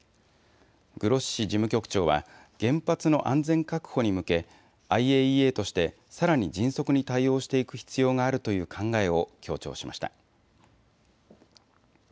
グロッシ事務局長は原発の安全確保に向けＩＡＥＡとしてさらに迅速に対応していく必要があるという考えを強調しました。